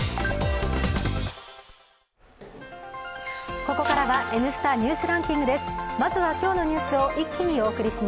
ここからは「Ｎスタ・ニュースランキング」です。